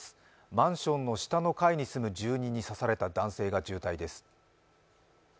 マンションの下の階に住む住人に刺された男性が重体です。